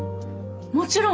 もちろん！